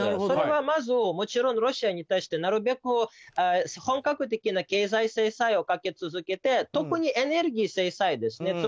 それはまずもちろんロシアに対して本格的な経済制裁をかけ続けて特にエネルギー制裁ですね。